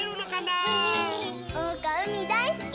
おうかうみだいすき！